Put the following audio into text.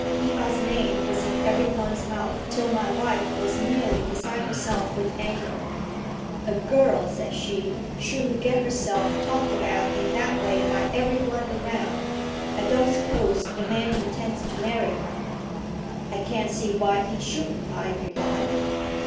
Eva's name was in every one's mouth, till my wife was nearly beside herself with anger. "A girl," said she, "shouldn't get herself talked about in that way by every one all round. I don't suppose the man intends to marry her." "I can't see why he shouldn't," I replied.